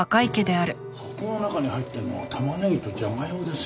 箱の中に入っているのは玉ねぎとジャガイモですね。